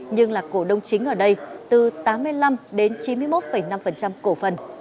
nhưng là cổ đông chính ở đây từ tám mươi năm đến chín mươi một năm cổ phần